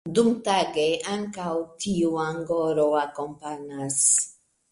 Dumtage, ankaŭ tiu angoro akompanas.